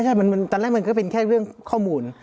ใช่ตอนแรกมันก็เป็นแค่เรื่องข้อมูล